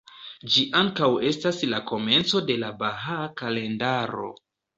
Ĝi ankaŭ estas la komenco de la Bahaa Kalendaro.